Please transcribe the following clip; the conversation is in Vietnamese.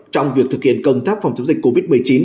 trong việc thực hiện công tác phòng chống dịch covid một mươi chín